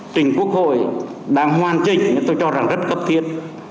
trình quốc hội đang hoàn chỉnh tôi cho rằng rất cấp thiết